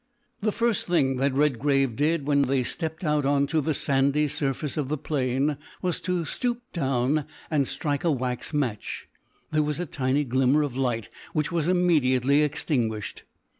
The first thing that Redgrave did when they stepped out on to the sandy surface of the plain was to stoop down and strike a wax match. There was a tiny glimmer of light, which was immediately extinguished.